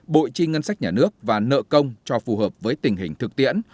bội chi ngân sách nhà nước và nợ công cho phù hợp với tình hình thực tiễn